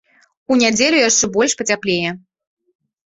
У нядзелю яшчэ больш пацяплее.